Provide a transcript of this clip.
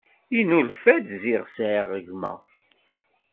Yennulfa-d ziɣ sεiɣ gma.